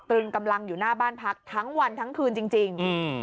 ปืนกำลังอยู่หน้าบ้านพักทั้งวันทั้งคืนจริง